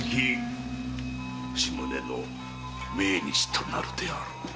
吉宗の命日となるであろう。